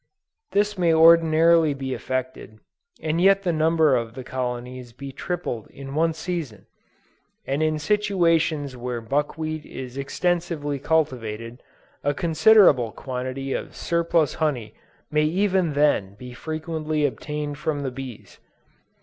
This may ordinarily be effected, and yet the number of the colonies be tripled in one season; and in situations where buckwheat is extensively cultivated, a considerable quantity of surplus honey may even then be frequently obtained from the bees.